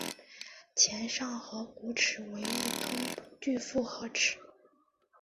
前上颌骨齿为一丛不具复合齿。